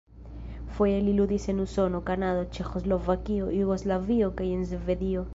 Foje li ludis en Usono, Kanado, Ĉeĥoslovakio, Jugoslavio kaj en Svedio.